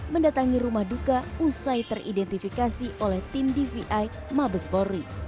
mendatangi rumah duka usai teridentifikasi oleh tim dvi mabespori